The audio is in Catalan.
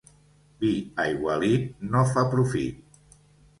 Vi aigualit no fa profit.